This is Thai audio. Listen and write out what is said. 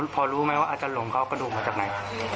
พอรู้ไหมว่าอาจารย์หลงเขาเอากระดูกมาจากไหน